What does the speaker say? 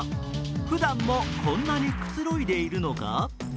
ふだんもこんなにくつろいでいるのか？